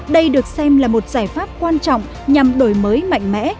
đây được xem là một giải pháp quan trọng nhằm đổi mới mạnh mẽ